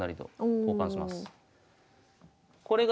交換します。